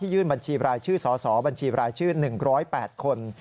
ยื่นบัญชีรายชื่อสสบัญชีรายชื่อ๑๐๘คน